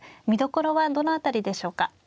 見どころはどの辺りでしょうか。